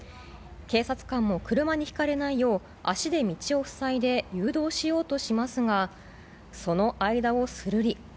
警察官も車にひかれないよう、足で道を塞いで誘導しようとしますが、その間をするり。